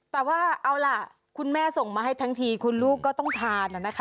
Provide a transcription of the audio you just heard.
แต่ว่าเอาล่ะคุณแม่ส่งมาให้ทั้งทีคุณลูกก็ต้องทานนะคะ